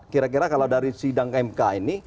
kira kira kalau dari sidang mk ini